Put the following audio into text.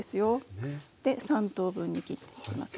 で３等分に切っていきますね。